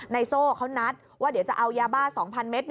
โซ่เขานัดว่าเดี๋ยวจะเอายาบ้า๒๐๐เมตร